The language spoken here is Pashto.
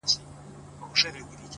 o زه د بل له ښاره روانـېـږمـه؛